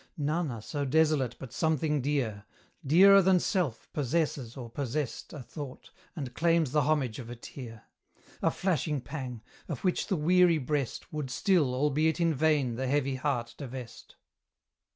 None are so desolate but something dear, Dearer than self, possesses or possessed A thought, and claims the homage of a tear; A flashing pang! of which the weary breast Would still, albeit in vain, the heavy heart divest.